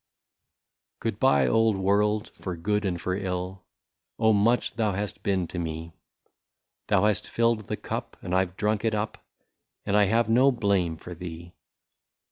Good bye, old world, for good and for ill, Oh ! much thou hast been to me ; Thou hast filled the cup, and I Ve drunk it up, And I have no bl ame for thee.